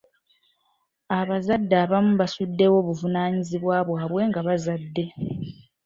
Abazadde abamu basuddewo obuvunaanyizibwa bwabwe nga bazadde.